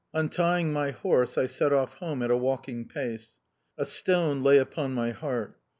Untying my horse, I set off home at a walking pace. A stone lay upon my heart.